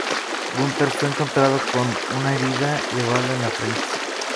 Gunter fue encontrado con una herida de bala en la frente.